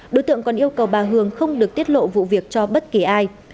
đối tượng còn yêu cầu bà hường không được tiết lộ vụ việc cho bất kỳ ai